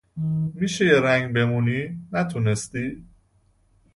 میشد یه رنگ بمونی نتونستی